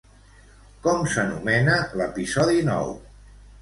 Com s'anomena l'episodi nou?